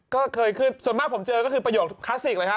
ก็เคยขึ้นส่วนมากผมเจอก็คือประโยคคลาสสิกเลยฮะ